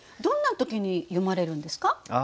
どんな時に詠まれるんですか？